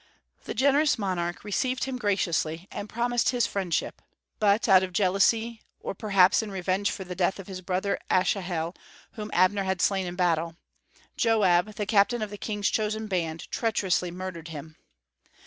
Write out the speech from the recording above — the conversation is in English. The generous monarch received him graciously, and promised his friendship; but, out of jealousy, or perhaps in revenge for the death of his brother Asahel, whom Abner had slain in battle, Joab, the captain of the King's chosen band, treacherously murdered him.